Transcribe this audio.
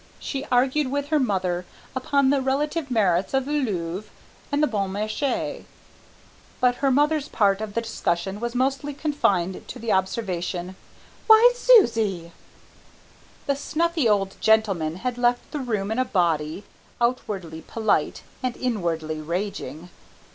She argued with her mother upon the relative merits of the Louvre and the Bon Marché, but her mother's part of the discussion was mostly confined to the observation, "Why, Susie!" The snuffy old gentlemen had left the room in a body, outwardly polite and inwardly raging.